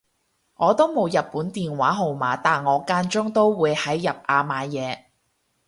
我都冇日本電話號碼但我間中都會喺日亞買嘢